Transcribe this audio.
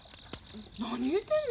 何言うてんの。